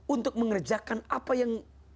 untuk mengerjakan apa yang